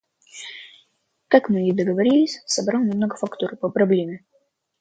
Как мы и договорились, собрал немного фактуры по проблеме.